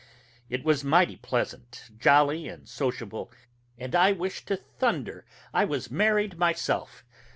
It was mighty pleasant, jolly and sociable, and I wish to thunder I was married myself.